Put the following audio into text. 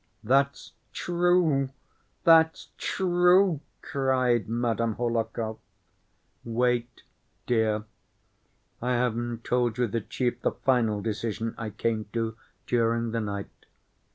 "That's true, that's true," cried Madame Hohlakov. "Wait, dear. I haven't told you the chief, the final decision I came to during the night.